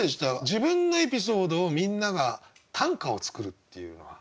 自分のエピソードをみんなが短歌を作るっていうのは。